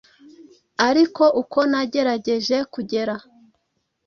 ariko uko nagerageje kugera,